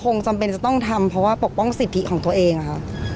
คงจำเป็นจะต้องทำเพราะว่าปกป้องสิทธิของตัวเองค่ะ